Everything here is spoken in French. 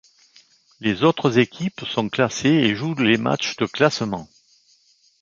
Les autres équipes sont classées et jouent les matchs de classement.